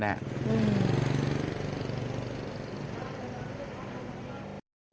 อืม